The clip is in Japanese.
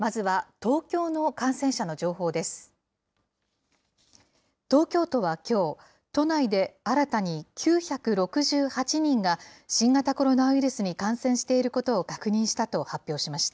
東京都はきょう、都内で新たに９６８人が新型コロナウイルスに感染していることを確認したと発表しました。